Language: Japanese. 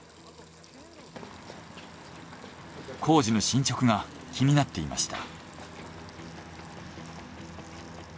工事の進捗が気になっていました。